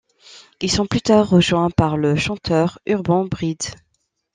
Ils sont plus tard rejoint par le chanteur Urban Breed.